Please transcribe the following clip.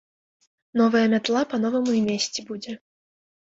Новая мятла па-новаму і месці будзе.